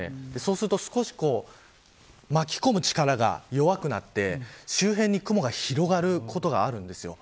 そうすると、少し巻き込む力が弱くなって周辺に雲が広がることがあります。